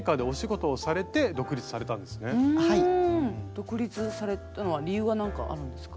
独立されたのは理由は何かあるんですか？